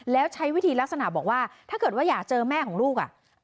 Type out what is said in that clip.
แล้วใช้วิธีลักษณะบอกว่าถ้าเกิดว่าอยากเจอแม่ของลูกอ่ะ